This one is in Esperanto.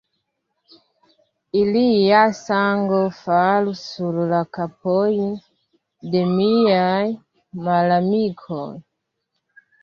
Ilia sango falu sur la kapojn de miaj malamikoj!